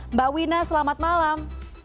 mbak wina selamat malam